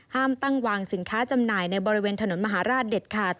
ห้ามตั้งวางสินค้าจำหน่ายในบริเวณถนนมหาราชเด็ดขาด